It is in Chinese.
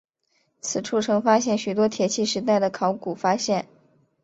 此处曾发现许多铁器时代的考古发现。